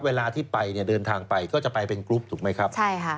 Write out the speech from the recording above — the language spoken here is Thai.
เวลาที่ไปเนี่ยเดินทางไปก็จะไปเป็นกรุ๊ปถูกไหมครับใช่ค่ะ